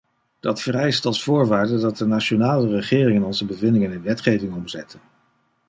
Dat vereist als voorwaarde dat de nationale regeringen onze bevindingen in wetgeving omzetten.